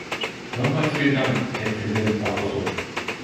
Nochmals vielen Dank, Herr Präsident Barroso.